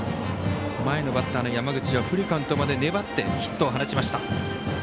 前のバッターの山口はフルカウントまで粘ってヒットを放ちました。